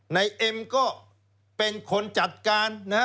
เอ็มก็เป็นคนจัดการนะฮะ